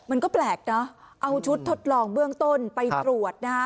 มันก็แปลกเนอะเอาชุดทดลองเบื้องต้นไปตรวจนะฮะ